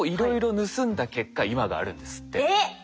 えっ！